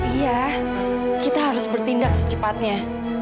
iya kita harus bertindak secepatnya